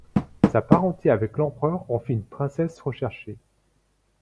Sa parenté avec l'empereur en fit une princesse recherchée.